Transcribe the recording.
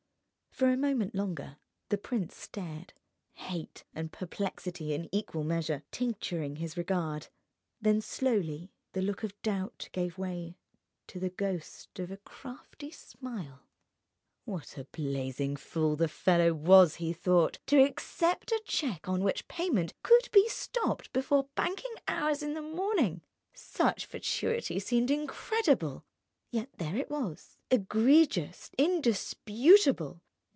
For a moment longer the prince stared, hate and perplexity in equal measure tincturing his regard. Then slowly the look of doubt gave way to the ghost of a crafty smile. What a blazing fool the fellow was (he thought) to accept a cheque on which payment could be stopped before banking hours in the morning—! Such fatuity seemed incredible. Yet there it was, egregious, indisputable.